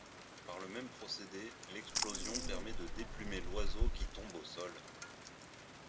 Par le même procédé, l'explosion permet de déplumer l'oiseau qui tombe au sol.